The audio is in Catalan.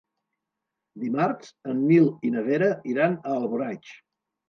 Dimarts en Nil i na Vera iran a Alboraig.